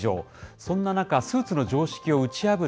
そんな中、スーツの常識を打ち破る